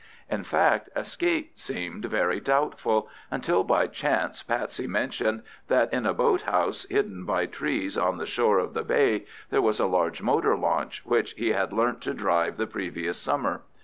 In fact, escape seemed very doubtful, until by chance Patsy mentioned that in a boat house, hidden by trees, on the shore of the bay, there was a large motor launch, which he had learnt to drive the previous summer.